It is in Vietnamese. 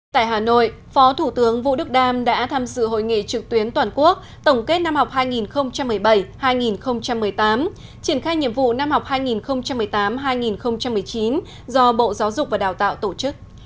tại hà nội phó thủ tướng vũ đức đam đã tham dự hội nghị trực tuyến toàn quốc tổng kết năm học hai nghìn một mươi bảy hai nghìn một mươi tám triển khai nhiệm vụ năm học hai nghìn một mươi tám hai nghìn một mươi chín do bộ giáo dục và đào tạo tổ chức